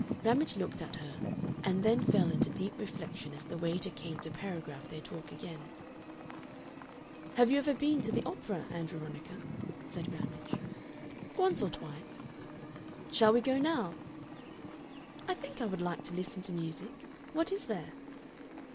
Ramage looked at her, and then fell into deep reflection as the waiter came to paragraph their talk again. "Have you ever been to the opera, Ann Veronica?" said Ramage. "Once or twice." "Shall we go now?" "I think I would like to listen to music. What is there?"